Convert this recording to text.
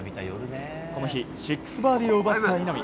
この日６バーディーを奪った稲見。